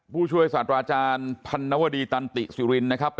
ผู้ช่วยศาสตราอาจารย์พันนวดีตันติสุรินนะครับ